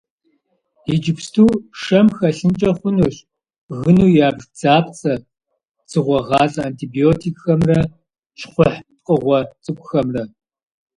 Иджыпсту шэм хэлъынкӀэ хъунущ гыну ябж бдзапцӀэ, дзыгъуэгъалӀэ, антибиотикхэмрэ щхъухь пкъыгъуэ цӀыкӀухэмрэ.